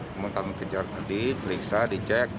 kemudian kami kejar tadi teriksa dicek